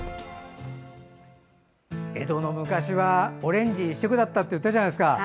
江戸の昔はオレンジ一色だったっていってたじゃないですか。